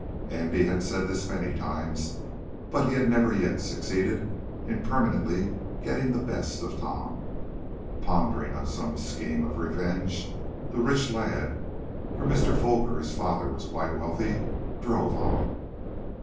Andy had said this many times, but he had never yet succeeded in permanently getting the best of Tom. Pondering on some scheme of revenge the rich lad for Mr. Foger, his father, was quite wealthy drove on.